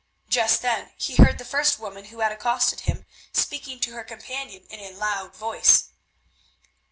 Just then he heard the first woman who had accosted him speaking to her companion in a loud voice.